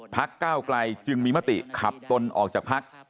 ก้าวไกลจึงมีมติขับตนออกจากพัก